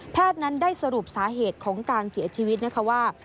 นั้นได้สรุปสาเหตุของการเสียชีวิตนะคะว่า